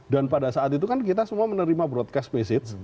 dan pada saat itu kan kita semua menerima broadcast